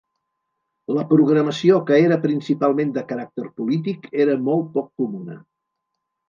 La programació que era principalment de caràcter polític era molt poc comuna.